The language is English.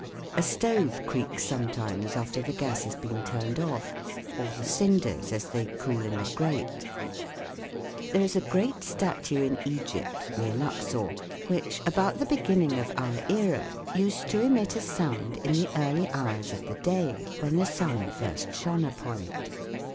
A stove creaks sometimes after the gas has been turned off, or the cinders as they cool in the grate. There is a great statue in Egypt, near Luxor, which, about the beginning of our era, used to emit a sound in the early hours of the day, when the sun first shone upon it.